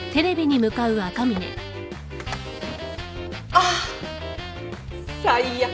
あっ最悪。